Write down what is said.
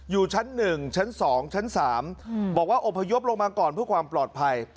อยู่ชั้น๑ชั้น๒ชั้น๓บอกว่าอบพยพลงมาก่อนเพื่อความปลอดภัย